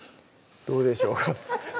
どうでしょうか？